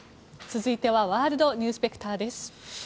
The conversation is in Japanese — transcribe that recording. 続いてはワールドニュースペクターです。